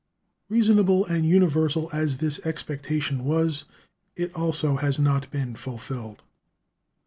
Reasonable and universal as this expectation was, it also has not been fulfilled.